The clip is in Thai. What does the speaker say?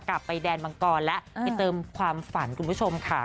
แดนมังกรแล้วไปเติมความฝันคุณผู้ชมค่ะ